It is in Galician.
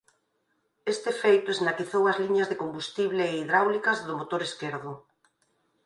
Este feito esnaquizou as liñas de combustible e hidráulicas do motor esquerdo.